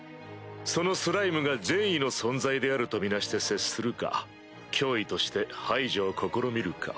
そのスライムが善意の存在であるとみなして接するか脅威として排除を試みるか。